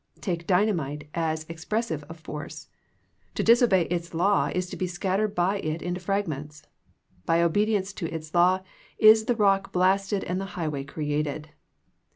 Take dynamite as expressive of force. To disobey its law is to be scattered by it into fragments. By obedience to its law is the rock blasted and the highway created.